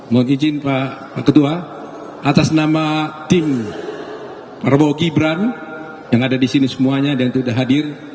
mohon izin pak ketua atas nama tim prabowo gibran yang ada di sini semuanya dan tidak hadir